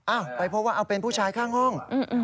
อ้าวไปเพราะว่าเป็นผู้ชายข้างห้อง